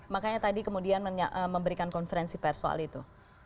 makanya tadi kemudian memberikan konferensi persoal itu